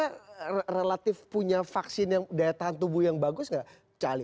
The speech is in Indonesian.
apakah relatif punya vaksin yang daya tahan tubuh yang bagus gak